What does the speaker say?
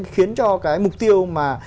khiến cho cái mục tiêu mà